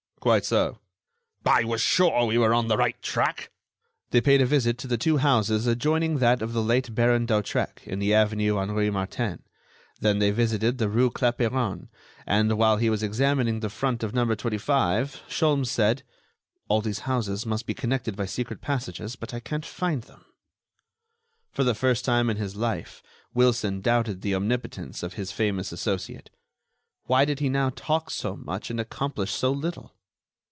"Quite so." "I was sure we were on the right track." They paid a visit to the two houses adjoining that of the late Baron d'Hautrec in the avenue Henri Martin; then they visited the rue Clapeyron, and, while he was examining the front of number 25, Sholmes said: "All these houses must be connected by secret passages, but I can't find them." For the first time in his life, Wilson doubted the omnipotence of his famous associate. Why did he now talk so much and accomplish so little?